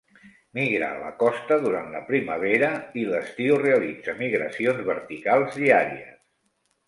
Migra a la costa durant la primavera i l'estiu i realitza migracions verticals diàries.